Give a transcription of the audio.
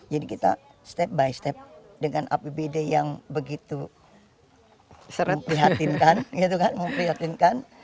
jadi kita step by step dengan apbd yang begitu memprihatinkan